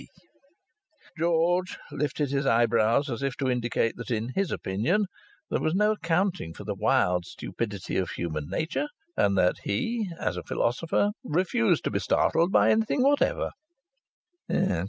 S.P." George lifted his eyebrows, as if to indicate that in his opinion there was no accounting for the wild stupidity of human nature, and that he as a philosopher refused to be startled by anything whatever.